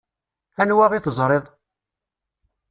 Anwa i teẓṛiḍ?